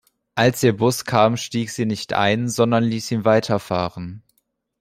Als ihr Bus kam, stieg sie nicht ein, sondern ließ ihn weiterfahren.